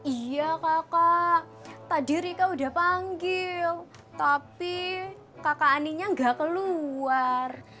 iya kakak tadi rika udah panggil tapi kakak aninya gak keluar